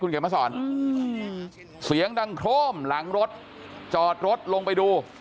เขียนมาสอนเสียงดังโครมหลังรถจอดรถลงไปดู